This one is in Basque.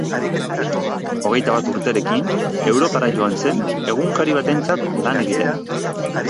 Hogeita bat urterekin Europara joan zen egunkari batentzat lan egitera.